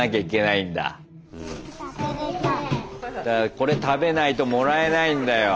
これ食べないともらえないんだよ。